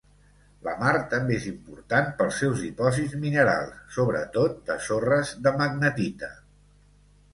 La mar també és important pels seus dipòsits minerals, sobretot de sorres de magnetita.